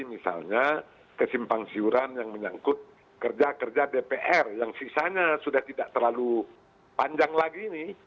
misalnya kesimpang siuran yang menyangkut kerja kerja dpr yang sisanya sudah tidak terlalu panjang lagi ini